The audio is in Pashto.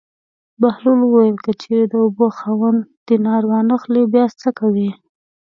بهلول وویل: که چېرې د اوبو خاوند دینار وانه خلي بیا څه کوې.